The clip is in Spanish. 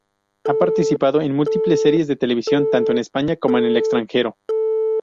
Ha participado en múltiples series de televisión tanto en España como en el extranjero.